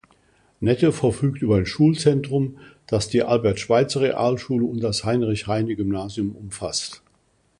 Nette verfügt über ein Schulzentrum, das die Albert-Schweitzer-Realschule und das Heinrich-Heine-Gymnasium umfasst.